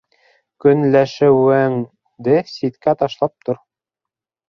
Көнләшеүенде ситкә ташлап тор...